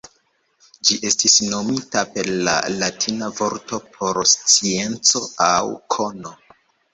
Ĝi estis nomita per la latina vorto por "scienco" aŭ "kono".